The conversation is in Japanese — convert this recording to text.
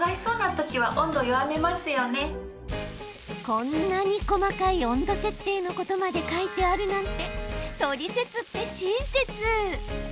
こんなに細かい温度設定のことまで書いてあるなんてトリセツって親切。